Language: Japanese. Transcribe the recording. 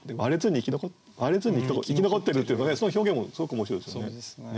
「割れずに生き残ってる」っていうその表現もすごく面白いですよね。